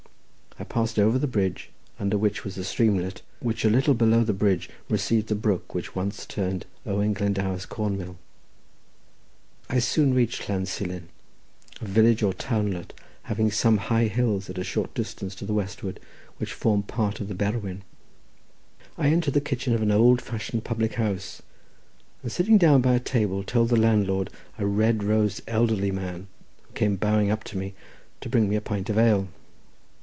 I passed over the bridge, under which was a streamlet, which a little below the bridge received the brook which once turned Owen Glendower's corn mill. I soon reached Llan Silin, a village or townlet, having some high hills at a short distance to the westward, which form part of the Berwyn. I entered the kitchen of an old fashioned public house, and sitting down by a table, told the landlord, a red nosed, elderly man, who came bowing up to me, to bring me a pint of ale.